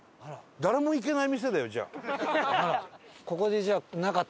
誰も行けない店だよじゃあ。